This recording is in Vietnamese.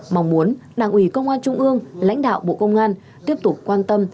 mong muốn đảng ủy công an trung ương lãnh đạo bộ công an tiếp tục quan tâm